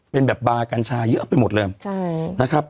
เป็นแบบบาร์กัญชาเยอะไปหมดเลยนะครับ